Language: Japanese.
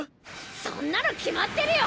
そんなの決まってるよ！